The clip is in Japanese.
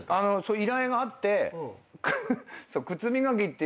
依頼があって。